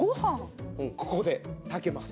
ここで炊けます。